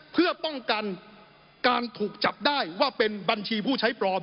เพื่อป้องกันการถูกจับได้ว่าเป็นบัญชีผู้ใช้ปลอม